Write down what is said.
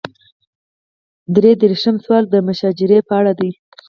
درې دېرشم سوال د مشاجرې په اړه دی.